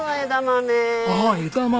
ああ枝豆！